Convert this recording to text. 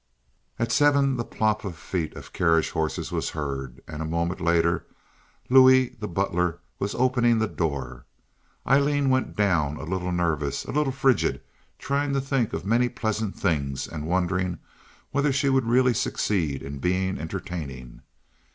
At seven the plop of the feet of carriage horses was heard, and a moment later Louis, the butler, was opening the door. Aileen went down, a little nervous, a little frigid, trying to think of many pleasant things, and wondering whether she would really succeed in being entertaining.